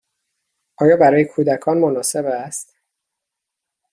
آیا برای کودکان مناسب است؟